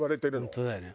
本当だよね。